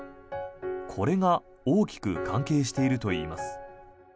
これが大きく関係しているといいます。